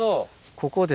ここで。